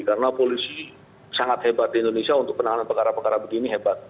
karena polisi sangat hebat di indonesia untuk menanganan perkara perkara begini hebat